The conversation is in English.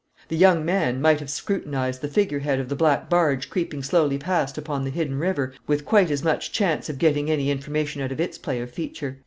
The young man might have scrutinised the figure head of the black barge creeping slowly past upon the hidden river with quite as much chance of getting any information out of its play of feature.